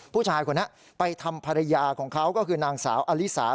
ผู้ชายคนนี้ไปทำภรรยาของเขาก็คือนางสาวอลิสา